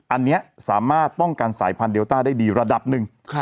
อันนี้สามารถป้องกันสายพันธุเดลต้าได้ดีระดับหนึ่ง